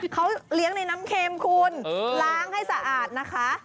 เขาเลี้ยงในน้ำเค็มคุณล้างให้สะอาดนะคะ